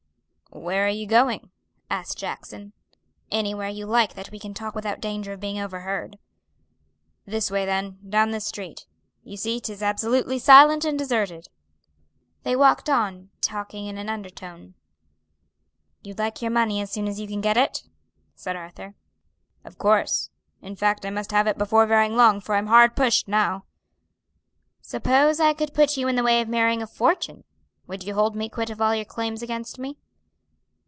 "Where are you going?" asked Jackson. "Anywhere you like that we can talk without danger of being overheard." "This way then, down this street. You see 'tis absolutely silent and deserted." They walked on, talking in an undertone. "You'd like your money as soon as you can get it?" said Arthur. "Of course; in fact I must have it before very long, for I'm hard pushed now." "Suppose I could put you in the way of marrying a fortune, would you hold me quit of all your claims against me?"